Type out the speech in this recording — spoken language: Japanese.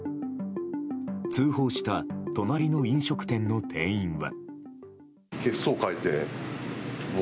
通報した隣の飲食店の店員は。